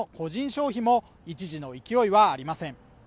消費も一時の勢いはありません